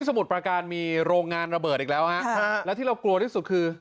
มุดประการมีโรงงานระเบิดอีกแล้วฮะแล้วที่เรากลัวที่สุดคือ